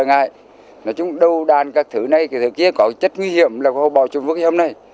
nói chung đầu đàn các thứ này cái thứ kia có chất nguy hiểm là bỏ chung với cái hôm nay